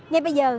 ngay bây giờ